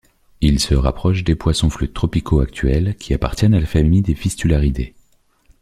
Ils se rapproche des poissons-flûtes tropicaux actuels qui appartiennent à la famille des Fistulariidae.